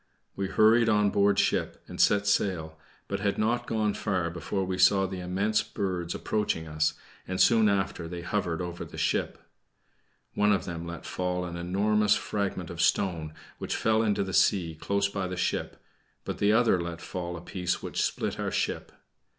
We hurried on board ship and set sail, but had not gone far before we saw the immense birds approaching us, and soon after they hovered over the ship. One of them let fall an enormous fragment of stone, which fell into the sea close beside the ship, but the other let fall a piece which split our ship.